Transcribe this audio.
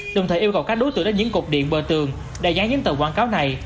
đồng thời yêu cầu các đối tượng đặt những cục điện bờ tường đại gián những tờ quảng cáo này